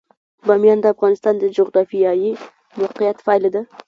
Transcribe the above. بامیان د افغانستان د جغرافیایي موقیعت پایله ده.